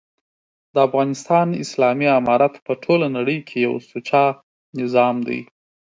دافغانستان اسلامي امارت په ټوله نړۍ کي یو سوچه نظام دی